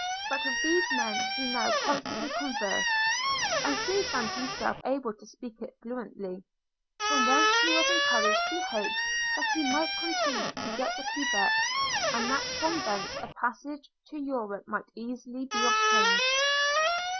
But with these men he now constantly conversed, and soon found himself able to speak it fluently; from whence he was encouraged to hope that he might contrive to get to Quebec, and that from thence a passage to Europe might easily be obtained.